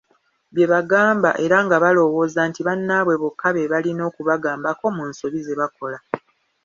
Bye babagamba, era nga balowooza nti bannaabwe bokka be balina okubagambako mu nsobi zebakola,